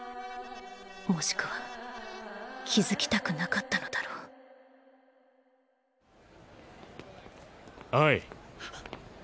もしくは気付きたくなかったのだろうオイ。